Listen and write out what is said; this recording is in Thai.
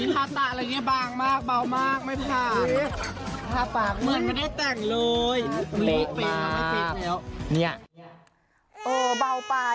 สวยห้าตา